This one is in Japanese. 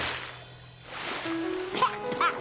パッパッ。